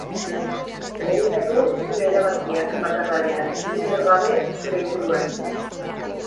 Meditatu zure erabakiak bakardadean, inor gabe zure inguruan.